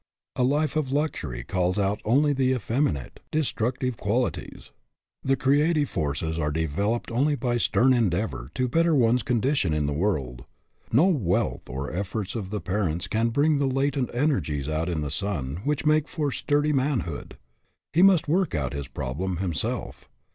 A life of luxury calls out only the effeminate, de structive qualities. The creative forces are developed only by stern endeavor to better one's condition in the world. No wealth or efforts of the parents can bring the latent energies out in the son which make for sturdy manhood. He must work out his problem him self.